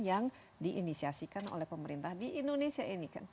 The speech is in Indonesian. yang diinisiasikan oleh pemerintah di indonesia ini kan